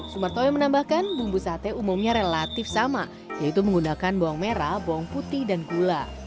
sumartoyo menambahkan bumbu sate umumnya relatif sama yaitu menggunakan bawang merah bawang putih dan gula